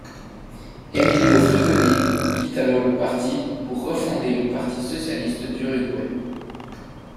Emilio Frugoni quitte alors le parti pour refonder le Parti socialiste d'Uruguay.